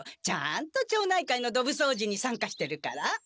ちゃんと町内会のどぶそうじにさんかしてるから。